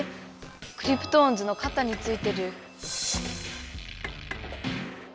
クリプトオンズのかたについてる。